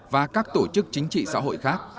và các tổ chức chính trị xã hội khác